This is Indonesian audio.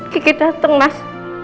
kiki dateng mas